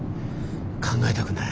考えたくない。